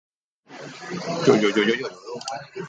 เขาเล่นหญิงลีแบบสวิงอยู่นะ